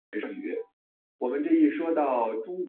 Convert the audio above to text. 苏茂逃到下邳郡和董宪合流。